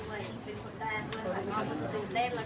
เป็นคนแปดเพื่อนก็ตื่นเต้นแล้วก็ดีใจมาก